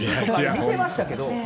見てましたけど。